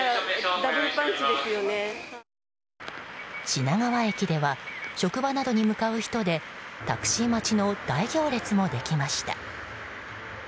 品川駅では職場などに向かう人でタクシー待ちの大行列もできました。